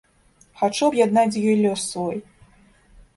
Хачу аб'яднаць з ёй лёс свой.